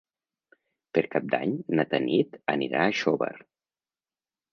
Per Cap d'Any na Tanit anirà a Xóvar.